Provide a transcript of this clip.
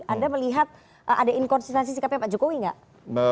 anda melihat ada inkonsistensi sikapnya pak jokowi nggak